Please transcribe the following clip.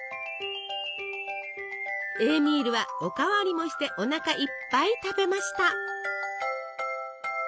エーミールはお代わりもしておなかいっぱい食べました。